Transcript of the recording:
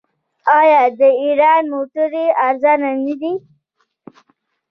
آیا د ایران موټرې ارزانه نه دي؟